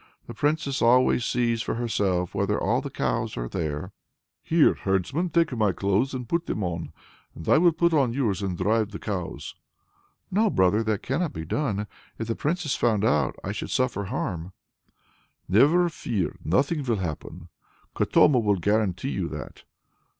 "The Princess always sees for herself whether all the cows are there." "Here, herdsman; take my clothes and put them on, and I will put on yours and drive the cows." "No, brother! that cannot be done. If the Princess found it out, I should suffer harm!" "Never fear, nothing will happen! Katoma will guarantee you that."